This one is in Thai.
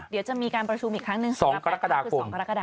เดี๋ยวจะมีการประชุมอีกครั้งหนึ่งสองกรกฎาคม